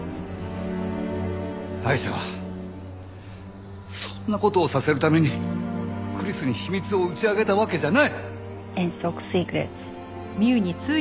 アイシャはそんな事をさせるためにクリスに秘密を打ち明けたわけじゃない！